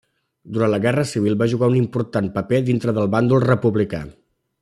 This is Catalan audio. Durant la guerra civil, va jugar un important paper dintre del bàndol republicà.